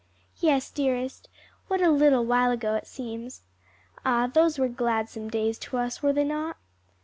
"Yes, dearest; what a little while ago it seems! Ah, those were gladsome days to us; were they not?"